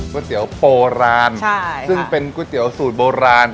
เตี๋ยวโบราณซึ่งเป็นก๋วยเตี๋ยวสูตรโบราณ